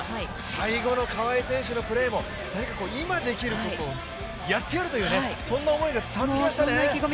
最後の川井選手のプレーも今できることをやってやると、そんな思いが伝わってきましたね。